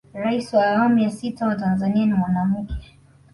rais wa awamu ya sita wa tanzania ni mwanamke